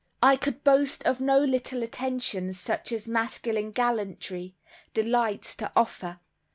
I could boast of no little attentions such as masculine gallantry delights to offer.